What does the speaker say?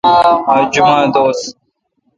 آج جمعہ دوس